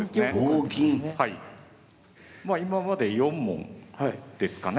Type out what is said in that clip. まあ今まで４問ですかね。